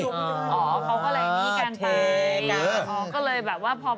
อ๋อเขาก็แรงมีนี่กันไป